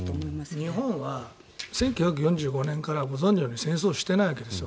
日本は１９４５年からご存じのように戦争していないわけですよ。